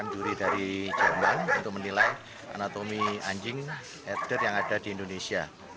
juri dari jerman untuk menilai anatomi anjing ether yang ada di indonesia